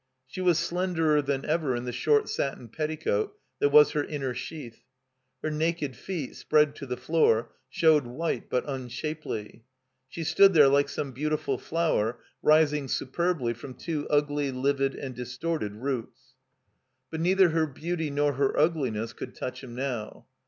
She was slenderer than ever in the short satin petticoat that was her inner sheath. Her naked feet, spread to the floor, showed white but tmshapdy. She stood there like some beautiful flower rising superbly from two ugly, livid, and distorted roots. But neither her beauty nor her ugliness could touch him now.